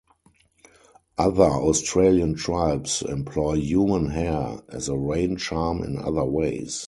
Other Australian tribes employ human hair as a rain-charm in other ways.